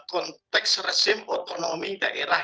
konteks resim otonomi daerah